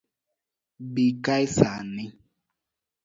Bii kae saa ni